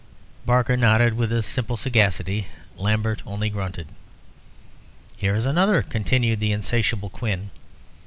Barker nodded with a simple sagacity. Lambert only grunted. "Here is another," continued the insatiable Quin.